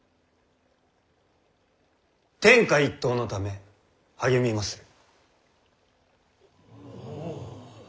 天下一統のため励みまする。